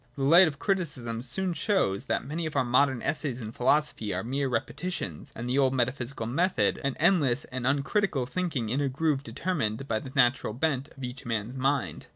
The light of criticism soon shows that many of our modern essays in philosophy are mere repeti tions of the old metaphysical method, an endless and un critical thinking in a groove determined by the natural bent of each man's mind.